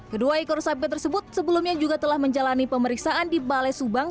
kedua ekor sapi tersebut sebelumnya juga telah menjalani pemeriksaan di balai subang